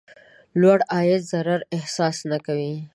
لوړ عاید ضرر احساس نه کوي.